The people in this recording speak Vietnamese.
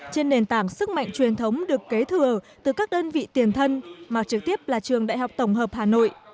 trên nền tảng sức mạnh truyền thống được kế thừa từ các đơn vị tiền thân mà trực tiếp là trường đại học tổng hợp hà nội